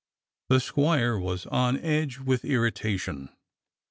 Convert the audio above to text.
The squire was on edge with irritation.